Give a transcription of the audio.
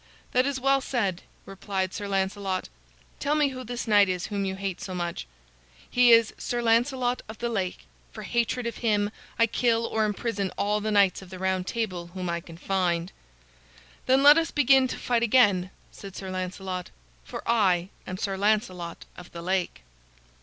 "That is well said," replied Sir Lancelot. "Tell me who this knight is whom you hate so much." "He is Sir Lancelot of the Lake. For hatred of him, I kill or imprison all the knights of the Round Table whom I can find." "Then let us begin to fight again," said Sir Lancelot, "for I am Sir Lancelot of the Lake."